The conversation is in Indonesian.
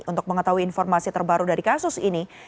untuk mengetahui informasi terbaru dari kasus ini